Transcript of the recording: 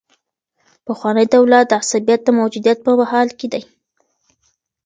پخوانی دولت د عصبيت د موجودیت په حال کي دی.